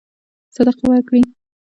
صدقه ورکړي.